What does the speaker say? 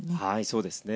そうですね。